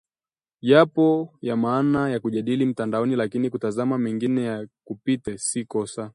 Yapo ya maana ya kujadili mtandaoni lakini kutazama mengine yakupite, si kosa